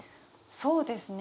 そうですね。